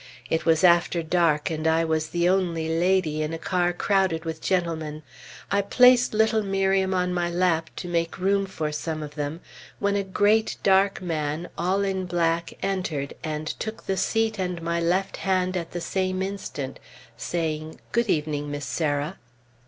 It was after dark, and I was the only lady in a car crowded with gentlemen. I placed little Miriam on my lap to make room for some of them, when a great, dark man, all in black, entered, and took the seat and my left hand at the same instant, saying, "Good evening, Miss Sarah."